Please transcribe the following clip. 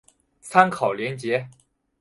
参考连结